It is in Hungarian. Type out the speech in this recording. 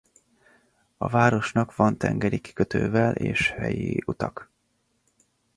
A városnak van tengeri kikötővel és helyi utak.